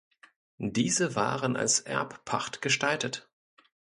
Diese waren als Erbpacht gestaltet.